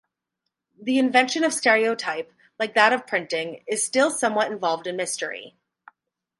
The invention of stereotype, like that of printing, is somewhat involved in mystery.